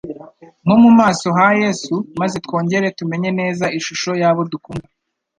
nko mu maso ha Yesu maze twongere tumenye neza ishusho y'abo dukunda.